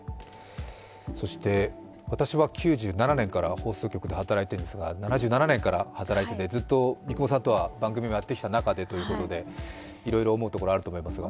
そして、私は９７年から放送局で働いていますが７７年から働いていて、ずっと三雲さんとはずっと番組もやってきたんですがいろいろ思うところがあると思いますが。